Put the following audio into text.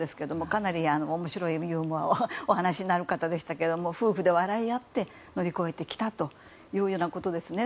かなり面白いお話をする方ですけども夫婦で笑いになって乗り越えてきたということですね。